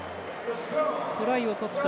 トライをとった